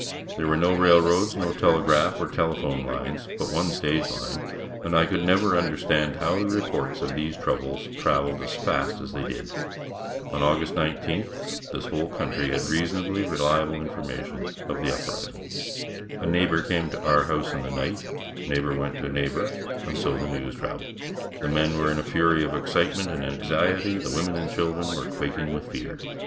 There were no railroads, no telegraph or telephone lines, but one stage line, and I could never understand how the reports of these troubles traveled as rapidly as they did. On August 19th this whole country had reasonably reliable information of the uprising. A neighbor came to our house in the night, neighbor went to neighbor and so the news traveled. The men were in a fury of excitement and anxiety, the women and children were quaking with fear.